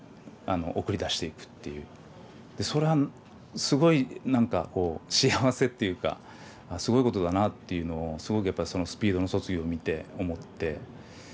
それはすごい何かこう幸せっていうかすごいことだなっていうのをすごくやっぱりＳＰＥＥＤの卒業を見て思って。